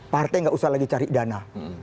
partai nggak usah lagi cari dana